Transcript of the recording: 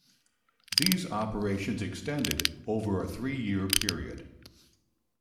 These operations extended over a three-year period.